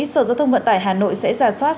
sở giao thông vận tải hà nội sẽ giả soát